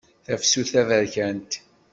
Tafsut taberkant.